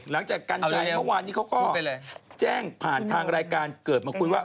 หลังจากการใช้เมื่อวานนี้เขาก็แจ้งผ่านทางรายการเกิดมาคุณว่า